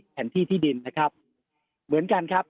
แผนที่ที่ดินนะครับเหมือนกันครับ